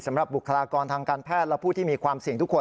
บุคลากรทางการแพทย์และผู้ที่มีความเสี่ยงทุกคน